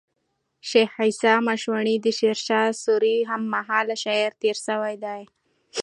شېخ عیسي مشواڼى د شېرشاه سوري هم مهاله شاعر تېر سوی دئ.